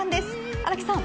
荒木さん